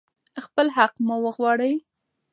خپل حق وغواړئ.